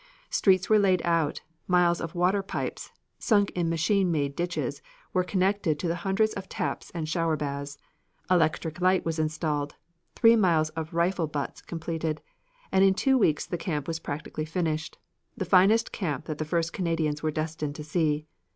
Streets were laid out; miles of water pipes, sunk in machine made ditches, were connected to hundreds of taps and shower baths; electric light was installed; three miles of rifle butts completed, and in two weeks the camp was practically finished the finest camp that the first Canadians were destined to see.